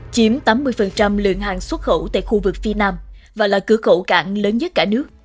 chiếm tám mươi lượng hàng xuất khẩu tại khu vực phía nam và là cửa khẩu cảng lớn nhất cả nước